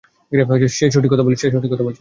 সে সঠিক কথা বলছিল।